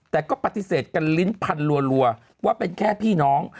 แต่ก็ปฏิเสธกันลิ้นพันรัวว่าเป็นแค่พี่น้อง